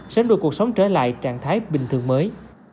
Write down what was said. sớm đưa cuộc sống trở lại trạng thái bình thường mới